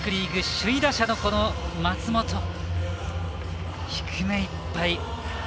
首位打者の松本低めいっぱい。